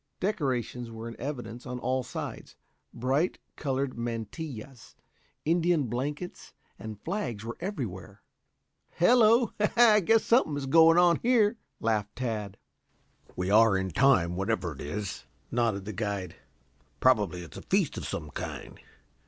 Decorations were in evidence on all sides; bright colored mantillas, Indian blankets and flags were everywhere. "Hello, I guess something is going on here," laughed Tad. "We are in time, whatever it is," nodded the guide. "Probably it's a feast of some kind.